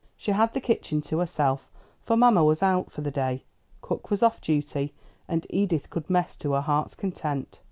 She had the kitchen to herself, for mamma was out for the day, cook was off duty, and Edith could mess to her heart's content.